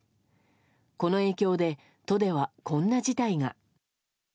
この影響で都ではこんな事態が。